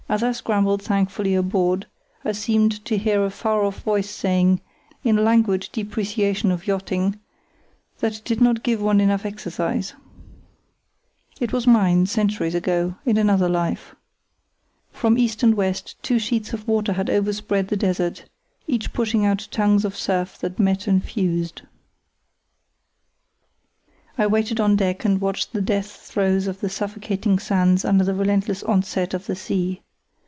As I scrambled thankfully aboard, I seemed to hear a far off voice saying, in languid depreciation of yachting, that it did not give one enough exercise. It was mine, centuries ago, in another life. From east and west two sheets of water had overspread the desert, each pushing out tongues of surf that met and fused. I waited on deck and watched the death throes of the suffocating sands under the relentless onset of the sea.